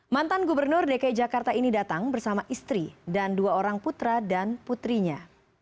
mantan gubernur dki jakarta ini datang bersama istri dan dua orang putra dan putrinya